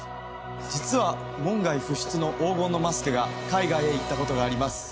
実は門外不出の黄金のマスクが海外へ行ったことがあります